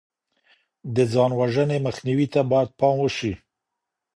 د ځان وژنې مخنيوي ته بايد پام وشي.